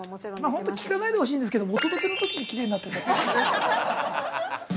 ◆ほんと、聞かないでほしいんですけどもお届けのときにきれいになって◆